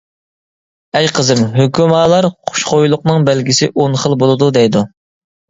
ئەي قىزىم، ھۆكۈمالار خۇشخۇيلۇقنىڭ بەلگىسى ئون خىل بولىدۇ دەيدۇ.